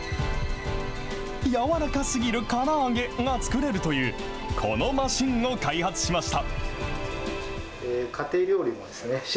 軟らかすぎるから揚げが作れるという、このマシンを開発しました。